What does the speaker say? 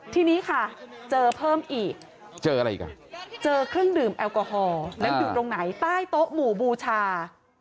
ทีนี้ค่ะเจอเพิ่มอีกเจออะไรอีกอ่ะเจอเครื่องดื่มแอลกอฮอล์แล้วอยู่ตรงไหนใต้โต๊ะหมู่บูชา